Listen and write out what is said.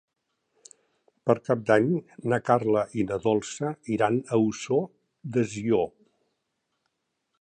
Per Cap d'Any na Carla i na Dolça iran a Ossó de Sió.